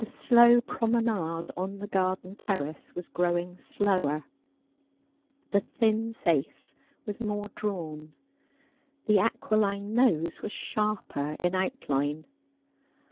slow promenade on the garden terrace was growing slower ; the thin face was more drawn ; the aquiline nose was sharper in outline.